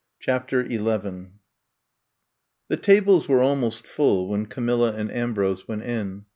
CHAPTER XI THE tables were almost full when Ca milla and Ambrose went in.